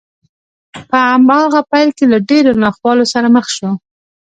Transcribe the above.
په هماغه پيل کې له ډېرو ناخوالو سره مخ شو.